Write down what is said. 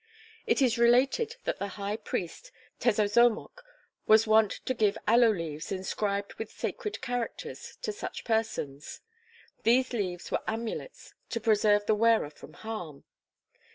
It is related that the high priest, Tezozomoc, was wont to give aloe leaves inscribed with sacred characters, to such persons. These leaves were amulets to preserve the wearer from harm.